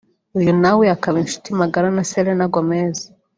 uyu nawe akaba inshuti magara na Selena Gomez